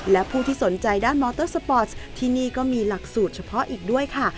และผู้ที่สนใจด้านมอเตอร์สปอร์สที่นี่ก็มีหลักสูตรเฉพาะอีกด้วยค่ะ